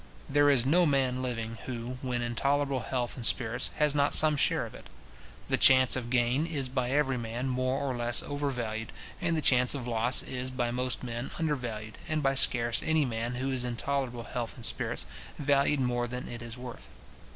There is no man living, who, when in tolerable health and spirits, has not some share of it. The chance of gain is by every man more or less over valued, and the chance of loss is by most men under valued, and by scarce any man, who is in tolerable health and spirits, valued more than it is worth.